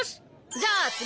じゃあ次！